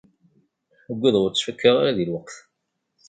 Ugadeɣ ur ttfakkaɣ ara deg lweqt.